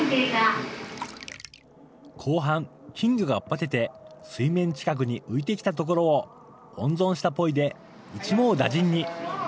後半、金魚がばてて水面近くに浮いてきたところを、温存したポイで一網打尽に。